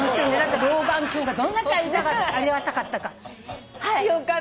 老眼鏡がどんだけありがたかったか。よかったね。